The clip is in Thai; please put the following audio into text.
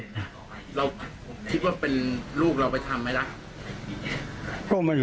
เราคิดว่าเป็นลูกเราไปทำไหมล่ะ